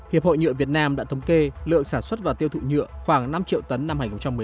hiệp hội nhựa việt nam đã thống kê lượng sản xuất và tiêu thụ nhựa khoảng năm triệu tấn năm hai nghìn một mươi tám